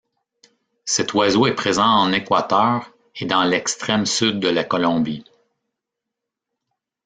Cet oiseau est présent en Équateur et dans l'extrême sud de la Colombie.